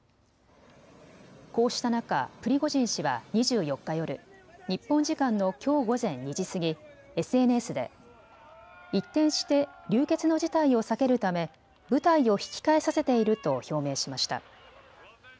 こうした中、プリゴジン氏は２４日夜、日本時間のきょう午前２時過ぎＳＮＳで一転して流血の事態を避けるため部隊を引き返させていると表明しました。